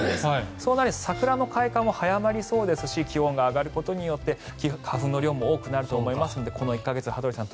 そうなると桜の開花も早まりそうですし気温が上がることによって花粉の量も多くなると思いますのでこの１か月、羽鳥さん